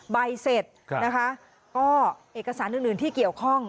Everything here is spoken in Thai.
ใบเสร็จนะคะก็เอกสารอื่นที่เกี่ยวข้อง